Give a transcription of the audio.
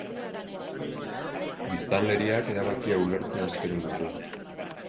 Biztanleriak erabakia ulertzea espero dugu.